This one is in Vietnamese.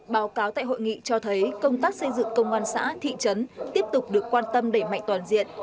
báo cáo tại hội nghị cho thấy công tác xây dựng công an xã thị trấn tiếp tục được quan tâm đẩy mạnh toàn diện